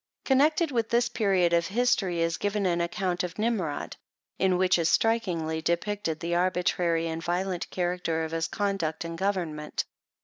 Connected with this period of the history is given an account of Nim rod ; in which is strikingly depicted the arbitrary and violent character of his conduct and government.